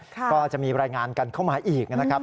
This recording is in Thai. ก็จะมีรายงานกันเข้ามาอีกนะครับ